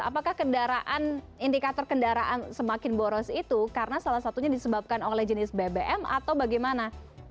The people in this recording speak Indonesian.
apakah kendaraan indikator kendaraan semakin boros itu karena salah satunya disebabkan oleh jenis bbm atau bagaimana